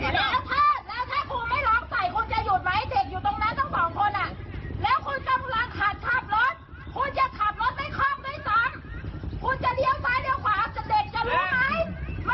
แต่กลายเป็นว่าสายลองหกเยอะกว่าเปล่า